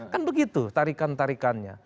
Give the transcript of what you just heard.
kan begitu tarikan tarikannya